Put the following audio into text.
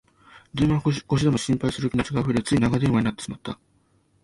電話越しでも心配する気持ちがあふれ、つい長電話になってしまった